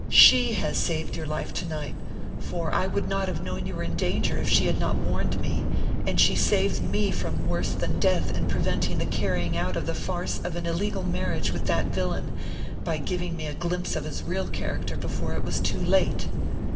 She has saved your life to night, for I would not have known you were in danger if she had not warned me, and she saved me from worse than death in preventing the carrying out of the farce of an illegal marriage with that villain, by giving me a glimpse of his real character before it was too late."